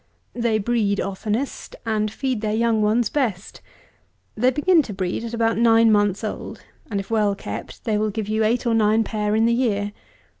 They breed oftenest, and feed their young ones best. They begin to breed at about nine months old, and if well kept, they will give you eight or nine pair in the year.